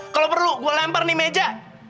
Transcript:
kalo perlu gua lempar nih meja